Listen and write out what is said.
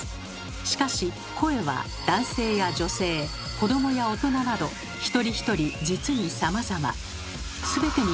しかし声は男性や女性子供や大人など一人一人実にさまざま。